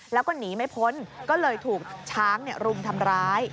แล้วก็หนีไม่พ้นก็เลยถูกช้างรุมทำร้าย